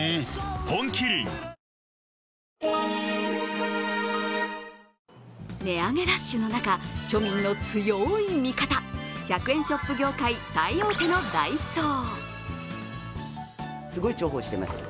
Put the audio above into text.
本麒麟値上げラッシュの中庶民の強い味方１００円ショップ業界最大手のダイソー。